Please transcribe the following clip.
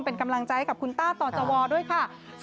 เป็นกำลังใจให้กับคุณต้าต่อจวด้วยค่ะ